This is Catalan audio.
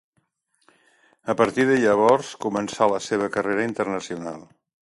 A partir de llavors començà la seva carrera internacional.